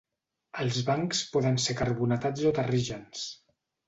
Els bancs poden ser carbonatats o terrígens.